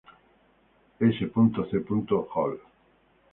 S. C. Hall.